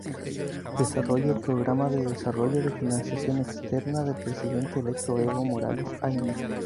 Desarrollo el programa de desarrollo de financiación externa del presidente electo Evo Morales Ayma.